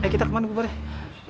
kita kemana bubarnya